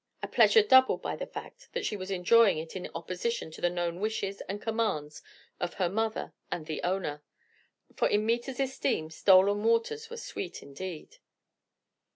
A pleasure doubled by the fact that she was enjoying it in opposition to the known wishes and commands of her mother and the owner; for in Meta's esteem 'stolen waters were sweet' indeed.